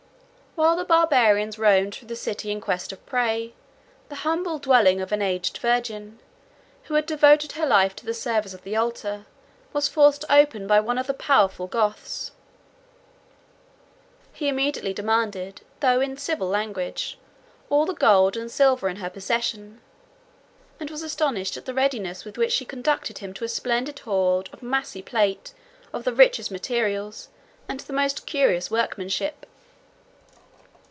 99 While the Barbarians roamed through the city in quest of prey, the humble dwelling of an aged virgin, who had devoted her life to the service of the altar, was forced open by one of the powerful Goths. He immediately demanded, though in civil language, all the gold and silver in her possession; and was astonished at the readiness with which she conducted him to a splendid hoard of massy plate, of the richest materials, and the most curious workmanship.